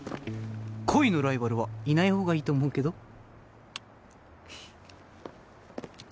恋のライバルはいないほうがいいと思うけど。